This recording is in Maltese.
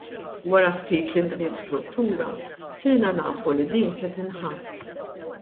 Wara ftit li nbniet struttura sirna nafu li din se tinħatt.